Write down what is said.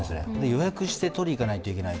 予約して取りに行かなきゃいけない。